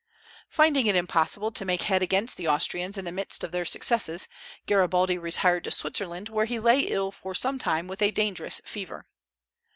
Finding it impossible to make head against the Austrians in the midst of their successes, Garibaldi retired to Switzerland, where he lay ill for some time with a dangerous fever.